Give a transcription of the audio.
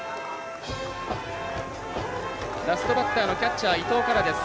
ラストバッターのキャッチャー伊藤からです。